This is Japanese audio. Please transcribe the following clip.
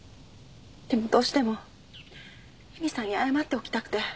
でもどうしても詠美さんに謝っておきたくて。